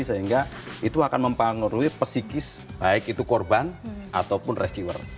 sehingga itu akan mempengaruhi pesikis baik itu korban ataupun rescuer